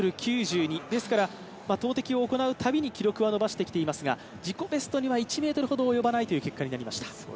投てきを行うたびに記録は伸ばしてきていますが自己ベストには１ｍほど及ばないという結果になりました。